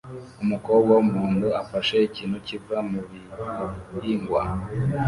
Umukobwa wumuhondo afashe ikintu kiva mubihingwa